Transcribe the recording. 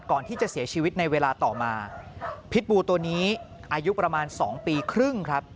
ก่อนที่จะเสียชีวิตในเวลาต่อมาพิษบูตัวนี้อายุประมาณสองปีครึ่งครับ